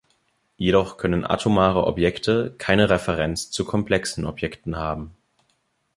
Jedoch können atomare Objekte keine Referenz zu komplexen Objekten haben.